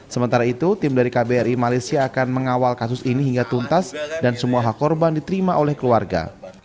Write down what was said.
sementara itu tim dari kbri malaysia akan mengawal kasus ini hingga tuntas dan semua hak korban diterima oleh keluarga